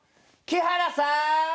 木原さん！